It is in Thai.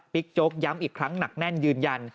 โจ๊กย้ำอีกครั้งหนักแน่นยืนยัน